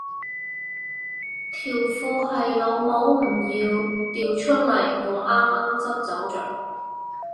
條褲係老母唔要掉出嚟我啱啱執走着